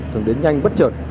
thường đến nhanh bất trợt